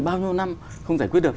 bao nhiêu năm không giải quyết được